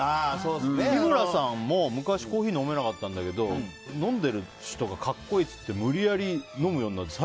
日村さんも昔コーヒー飲めなかったんだけど飲んでる人が格好いいって無理やり飲むようになって。